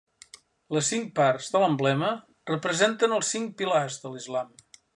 Les cinc parts de l'emblema representen els cinc pilars de l'islam.